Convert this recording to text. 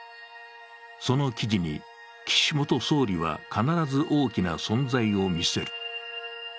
その記事に岸元総理は必ず大きな存在を見せる。